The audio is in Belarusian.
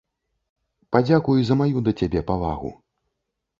Падзякуй за маю да цябе павагу.